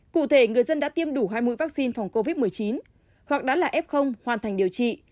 cụ thể người dân đã tiêm đủ hai mươi vaccine phòng covid một mươi chín hoặc đã là f hoàn thành điều trị